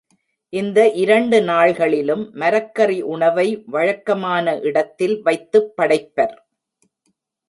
இந்த இரண்டு நாள் களிலும் மரக்கறி உணவை வழக்கமான இடத்தில் வைத்துப் படைப்பர்.